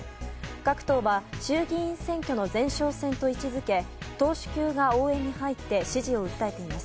各党は衆議院選挙の前哨戦と位置づけ党首級が応援に入って支持を訴えています。